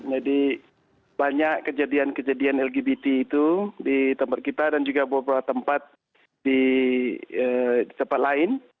jadi banyak kejadian kejadian lgbt itu di tempat kita dan juga beberapa tempat di tempat lain